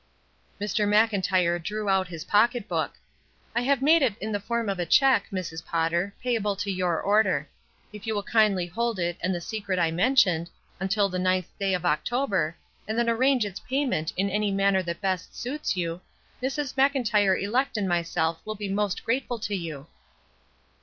Mr. Mclntyre drew out his pocketbook. "I have made it in the form of a check, Mrs. Pot ter, payable to your order. If you wdll kindly hold it and the secret I mentioned, until the ninth day of October, and then arrange its pay ment in any manner that best suits you, Mrs. 420 ESTER RIED'S NAMESAKE Mclntyre elect and myself will be most grateful to you."